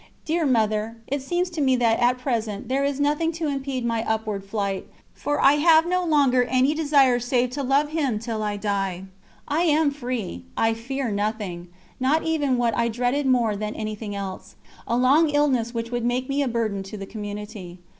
Dear Mother, it seems to me that at present there is nothing to impede my upward flight, for I have no longer any desire save to love Him till I die. I am free; I fear nothing now, not even what I dreaded more than anything else, a long illness which would make me a burden to the Community.